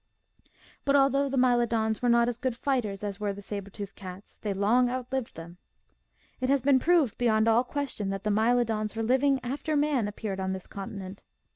But, although the Mylodons were not as good fighters as were the saber toothed cats, they long outlived them. It has been proved beyond all question that the Mylodons were living after man appeared on this continent.